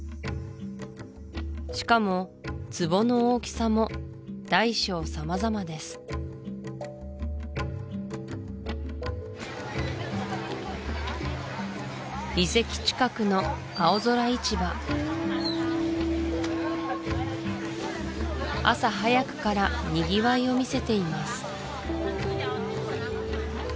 しかも壺の大きさも大小さまざまです遺跡近くの青空市場朝早くからにぎわいをみせています